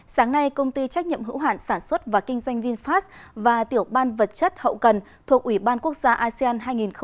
sáng nay công ty trách nhiệm hữu hạn sản xuất và kinh doanh vinfast và tiểu ban vật chất hậu cần thuộc ủy ban quốc gia asean hai nghìn hai mươi